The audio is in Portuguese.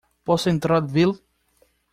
Posso entrar e vê-lo?